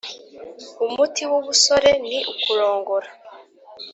Umuti w’ubusore ni ukurongora.